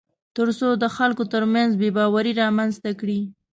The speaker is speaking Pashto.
تر څو د خلکو ترمنځ بېباوري رامنځته کړي